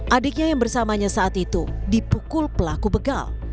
adiknya yang bersamanya saat itu dipukul pelaku begal